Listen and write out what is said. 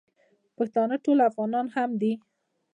پښتانه ټول افغانان هم دي.